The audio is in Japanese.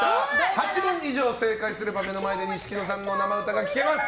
８問以上正解すれば目の前で錦野さんの生歌が聴けます。